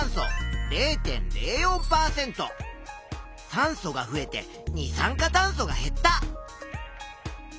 酸素が増えて二酸化炭素が減った。